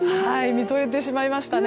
見とれてしまいましたね。